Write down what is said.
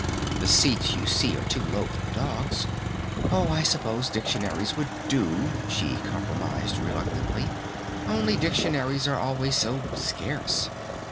The seats you see are too low for the dogs.... Oh, I suppose dictionaries would do," she compromised reluctantly. "Only dictionaries are always so scarce."